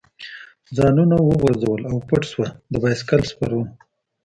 ځانونه وغورځول او پټ شو، د بایسکل سپرو.